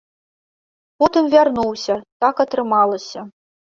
Потым вярнуўся, так атрымалася.